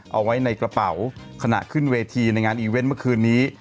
เอาไว้ในกระเป๋าขณะขึ้นเวทีในงานอีเวนต์เมื่อคืนนี้